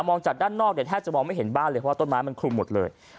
มองจากด้านนอกแทบจะไม่เห็นบ้านจริงพวกต้นไม้มันคลุมหมดเลย